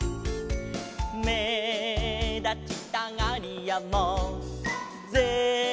「めだちたがりやもぜひどうぞ」